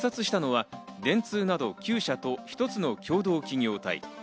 落札したのは電通など９社と１つの共同企業体。